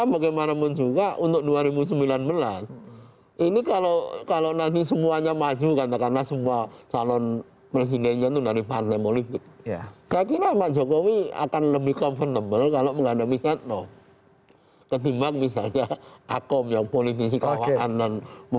mempunyai masa yang luar biasa dan basis yang kuat